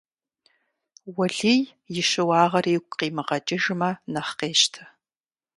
Уэлий и щыуагъэр игу къимыгъэкӀыжмэ нэхъ къещтэ.